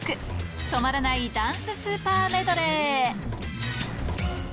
止まらないダンススーパーメドレー。